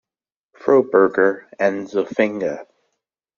Froburger, and Zofingia.